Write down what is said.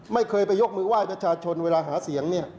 ไม่เคยไปยกมือไหว้ประชาชนเวลาหาเสียงเนี่ย